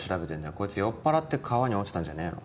こいつ酔っ払って川に落ちたんじゃねえの？